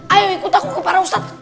ayo ikut aku ke para ustadz